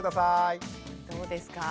どうですか？